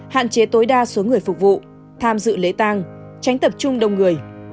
hạn chế tối đa số người phục vụ tham dự lễ tang tránh tập trung đông người